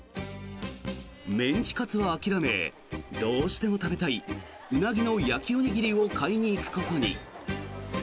メンチカツを諦めどうしても食べたいウナギの焼きおにぎりを買いに行くことに。